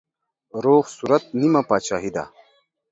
روغ صورت نيمه پاچاهي ده.